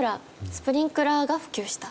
スプリンクラーが普及した？